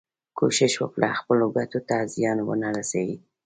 کوښښ وکړه خپلو ګټو ته زیان ونه رسوې.